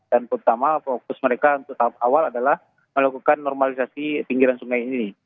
dan pertama fokus mereka untuk tahap awal adalah melakukan normalisasi pinggiran sungai ini